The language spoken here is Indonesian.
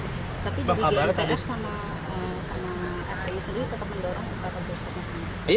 tapi di bgnps sama fci sendiri tetap mendorong ustaz ustaznya